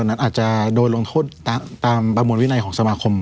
นั้นอาจจะโดนลงโทษตามประมวลวินัยของสมาคม